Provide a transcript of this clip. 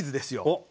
おっ！